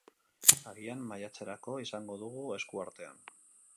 Agian, maiatzerako izango dugu esku artean.